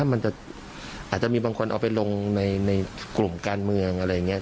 มันอาจจะมีบางคนเอาไปลงในกลุ่มการเมืองอะไรอย่างนี้